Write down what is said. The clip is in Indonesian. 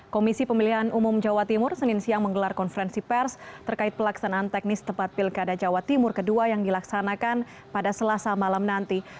komisi pemilihan umum jawa timur senin siang menggelar konferensi pers terkait pelaksanaan teknis tempat pilkada jawa timur ke dua yang dilaksanakan pada selasa malam nanti